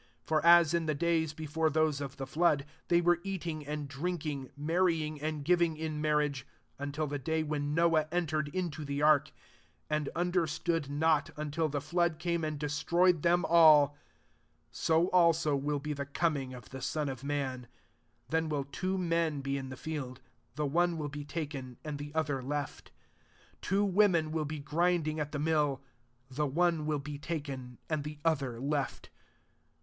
38 For as in the days [before those} of the flood, they vere eating and drinking, mar ryi^ and giving in marriage, Uktil the day when Noah en tered into the ark ; 39 and un derstood not, untU the flood ^aaie and d<»troyed ikem all ; m also will be the coming of iie Son of man. 40 Then will wo WM he in the field, the »e will he taken, and the sdierkfit. 41 Twa vfomen will begrindiBgatthemill; the one will be taken, and the other left.